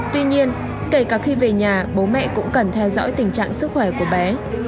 tuy nhiên kể cả khi về nhà bố mẹ cũng cần theo dõi tình trạng sức khỏe của bé